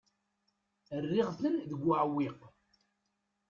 Rriɣ-ten deg uɛewwiq.